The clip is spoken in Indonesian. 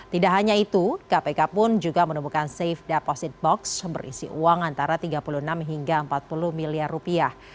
tidak hanya itu kpk pun juga menemukan safe deposit box berisi uang antara tiga puluh enam hingga empat puluh miliar rupiah